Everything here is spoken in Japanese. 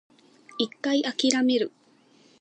一回諦める